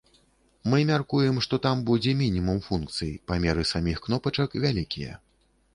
Мы мяркуем, што там будзе мінімум функцый, памеры саміх кнопачак вялікія.